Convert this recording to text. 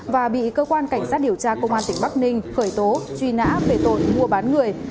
và bị cơ quan cảnh sát điều tra công an tỉnh bắc ninh khởi tố truy nã về tội mua bán người